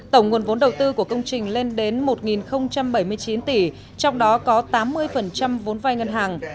tổng nguồn vốn đầu tư của công trình lên đến một bảy mươi chín tỷ trong đó có tám mươi vốn vai ngân hàng